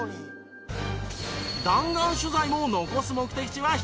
弾丸取材も残す目的地は１つ。